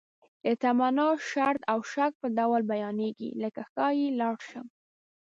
د تمنا، شرط او شک په ډول بیانیږي لکه ښایي لاړ شم.